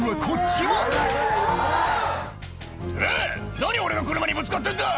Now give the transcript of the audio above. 何俺の車にぶつかってんだ！」